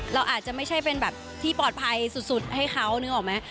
เราอาจจะไม่ใช่เป็นแบบที่ปลอดภัยสุดให้เขานึกออกไหม